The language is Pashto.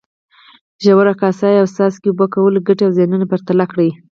ژور، کاسه یي او څاڅکي اوبه کولو ګټې او زیانونه پرتله کړئ.